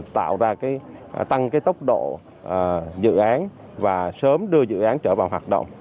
tăng tốc độ dự án và sớm đưa dự án trở vào hoạt động